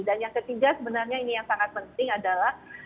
dan yang ketiga sebenarnya ini yang sangat penting adalah